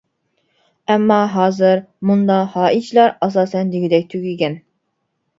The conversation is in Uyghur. ئەمما، ھازىر مۇنداق خاھىشلار ئاساسەن دېگۈدەك تۈگىگەن.